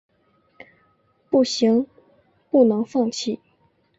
不行，不能放弃